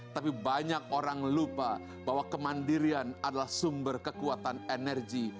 tapi banyak orang lupa bahwa kemandirian adalah sumber kekuatan energi